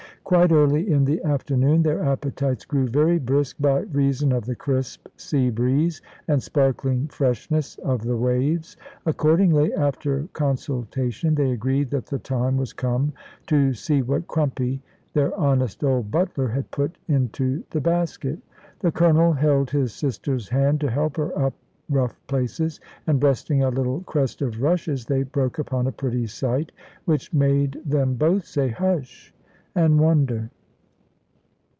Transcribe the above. Quite early in the afternoon, their appetites grew very brisk by reason of the crisp sea breeze and sparkling freshness of the waves. Accordingly, after consultation, they agreed that the time was come to see what Crumpy, their honest old butler, had put into the basket. The Colonel held his sister's hand to help her up rough places, and breasting a little crest of rushes, they broke upon a pretty sight, which made them both say "hush," and wonder.